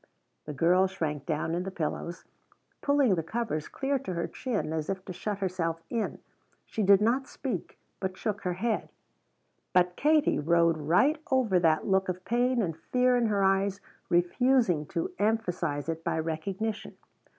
The girl shrank down in the pillows, pulling the covers clear to her chin, as if to shut herself in. She did not speak, but shook her head. But Katie rode right over that look of pain and fear in her eyes, refusing to emphasize it by recognition.